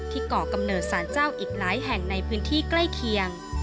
ก่อกำเนิดสารเจ้าอีกหลายแห่งในพื้นที่ใกล้เคียง